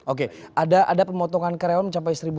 oke ada pemotongan karyawan mencapai satu seratus